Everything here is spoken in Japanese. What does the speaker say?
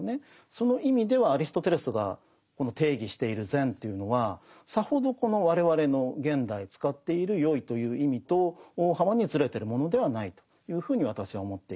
その意味ではアリストテレスがこの定義している善というのはさほどこの我々の現代使っているよいという意味と大幅にずれてるものではないというふうに私は思っています。